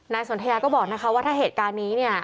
สนทยาก็บอกนะคะว่าถ้าเหตุการณ์นี้เนี่ย